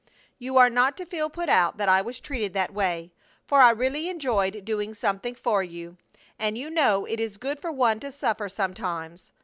You are not to feel put out that I was treated that way, for I really enjoyed doing something for you; and you know it is good for one to suffer sometimes.